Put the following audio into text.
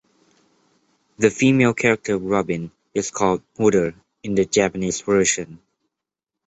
The female character Robin is called "Hooter" in the Japanese version.